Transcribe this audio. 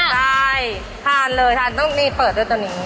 ใช่ทานเลยทานต้องมีเปิดด้วยตัวนี้